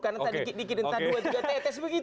karena tadi dikirinta dua tiga tetes begitu